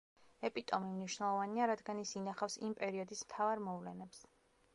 ეპიტომი მნიშვნელოვანია რადგან ის ინახავს იმ პერიოდის მთავარ მოვლენებს.